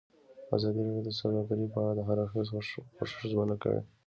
ازادي راډیو د سوداګري په اړه د هر اړخیز پوښښ ژمنه کړې.